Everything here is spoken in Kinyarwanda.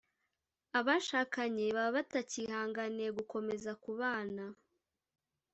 abashakanye baba batakihanganiye gukomeza kubana